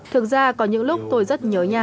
thực ra có những lúc tôi rất nhớ nhớ việt nam